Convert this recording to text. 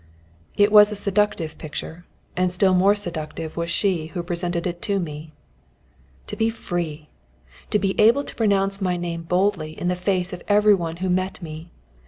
It was a seductive picture, and still more seductive was she who presented it to me. To be free! To be able to pronounce my name boldly in the face of every one who met me!